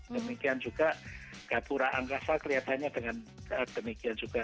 demikian juga gapura angkasa kelihatannya dengan demikian juga